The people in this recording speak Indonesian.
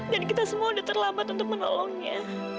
dan kita semua sudah terlambat untuk menolongnya